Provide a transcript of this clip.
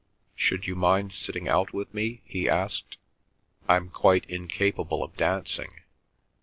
"Should you mind sitting out with me?" he asked. "I'm quite incapable of dancing."